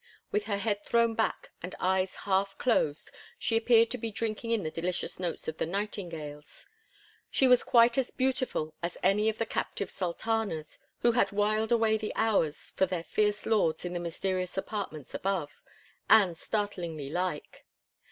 With her head thrown back and eyes half closed she appeared to be drinking in the delicious notes of the nightingales. She was quite as beautiful as any of the captive sultanas who had whiled away the hours for their fierce lords in the mysterious apartments above—and startlingly like.